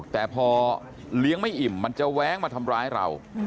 แต่พอเลี้ยงไม่อิ่มมันจะแว้งมาทำร้ายเรา